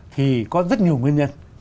thì có rất nhiều nguyên nhân